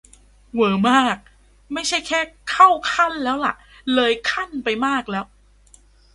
- เหวอมาก ไม่ใช่แค่ "เข้าขั้น" แล้วล่ะ "เลยขั้น" ไปมากแล้ว !